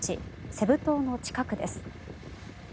セブ島の近くです。